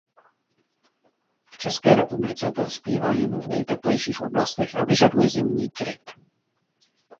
V České republice prospívá jen v nejteplejších oblastech a vyžaduje zimní kryt.